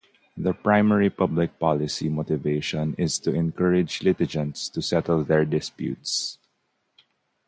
The primary public policy motivation is to encourage litigants to settle their disputes.